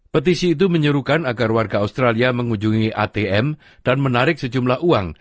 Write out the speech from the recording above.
petisi itu menyuruhkan agar warga australia mengunjungi atm dan menarik sejumlah uang